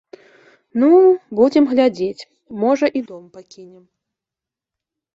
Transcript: Ну, будзем глядзець, можа, і дом пакінем.